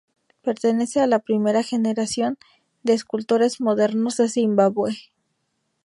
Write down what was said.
Pertenece a la primera generación de escultores modernos de Zimbabue.